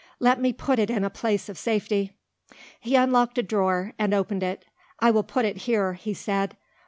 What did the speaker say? "Let me put it in a place of safety." He unlocked a drawer and opened it. "I will put it here," he said.